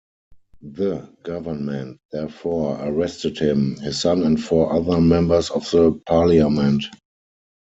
The government therefore arrested him, his son and four other members of the parliament.